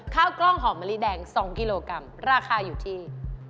ข้าวกล้องหอมมะลิแดง๒กิโลกรัมราคาอยู่ที่